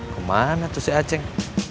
kemana tuh si aceh